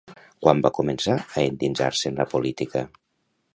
Quan va començar a endinsar-se en la política?